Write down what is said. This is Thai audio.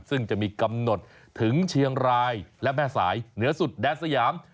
ซึ่งจะมีกำหนดถึงเชียงรายและแม่สายเหนือสุดแดนสยาม